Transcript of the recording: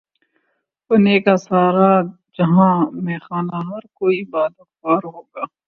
بنے گا سارا جہان مے خانہ ہر کوئی بادہ خوار ہوگا